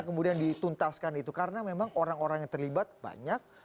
kemudian dituntaskan itu karena memang orang orang yang terlibat banyak